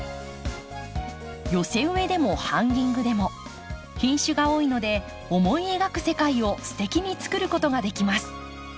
寄せ植えでもハンギングでも品種が多いので思い描く世界をすてきに作ることができます。